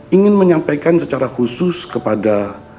ingin menyampaikan secara khusus kepada